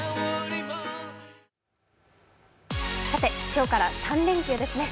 今日から３連休ですね。